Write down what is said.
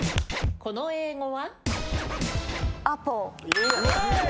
この英語は？